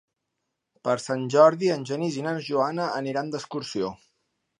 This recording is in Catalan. Per Sant Jordi en Genís i na Joana aniran d'excursió.